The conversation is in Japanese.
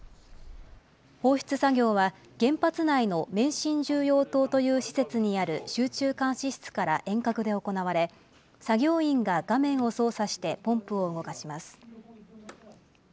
放出作業は原発内の免震重要棟という施設にある集中監視室から遠隔で行われ、作業員が画面を操作して、ポンプを動かします。